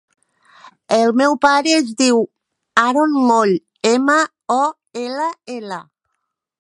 El meu pare es diu Haron Moll: ema, o, ela, ela.